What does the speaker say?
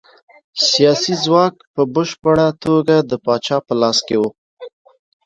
سیاسي ځواک په بشپړه توګه د پاچا په لاس کې و.